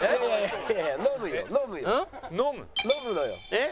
えっ？